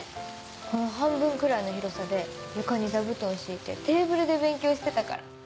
この半分くらいの広さで床に座布団敷いてテーブルで勉強してたから。